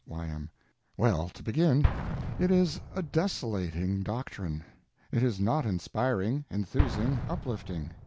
Y.M. Well, to begin: it is a desolating doctrine; it is not inspiring, enthusing, uplifting.